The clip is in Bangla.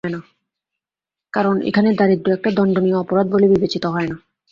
কারণ এখানে দারিদ্র্য একটা দণ্ডনীয় অপরাধ বলে বিবেচিত হয় না।